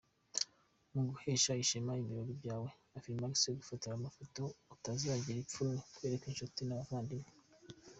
Mu guhesha ishema ibirori byawe, Afrifame igufatira amafoto utazagira ipfunwe kwereka inshuti n'abavandimwe.